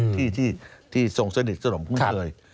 ที่ที่ที่ที่ที่ทรงกาญติศนมกันเลย